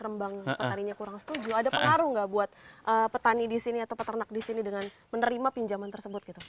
rembang petaninya kurang setuju ada pengaruh nggak buat petani di sini atau peternak di sini dengan menerima pinjaman tersebut gitu